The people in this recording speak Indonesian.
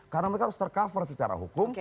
karena mereka harus tercover secara hukum